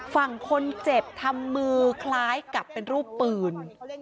ฝั่งคนเจ็บทำมือคล้ายกับเป็นรูปปืน